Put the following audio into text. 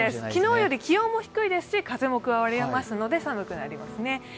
昨日よりも気温も低いですし、風も強まりますので寒くなりますね。